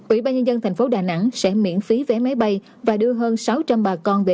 ủy ban nhân dân tp hcm sẽ miễn phí vé máy bay và đưa hơn sáu trăm linh bà con về cách ly